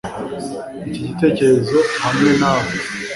Iki gitekerezo hamwe nawe